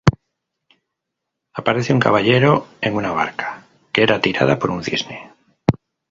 Aparece un caballero en una barca que era tirada por un cisne.